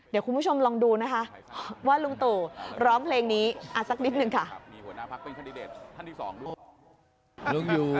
เดี๋ยวคุณผู้ชมลองดูนะคะว่าลุงตู่ร้องเพลงนี้อาจสักนิดนึงค่ะ